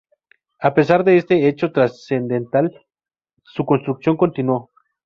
A pesar de este hecho trascendental su construcción continuó.